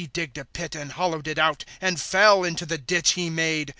Ho digged a pit, and hollowed it out, And fell into the ditch he made.